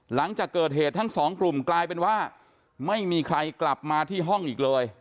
หลังจากเกิดเหตุทั้งสองกลุ่มกลายเป็นว่าไม่มีใครกลับมาที่ห้องอีกเลย